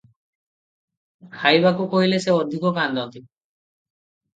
ଖାଇବାକୁ କହିଲେ ସେ ଅଧିକ କାନ୍ଦନ୍ତି ।